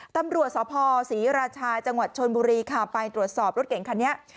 ตำรวจสภศรีราชาจังหวัดชนบุรีค่ะไปตรวจสอบรถเก่งคันนี้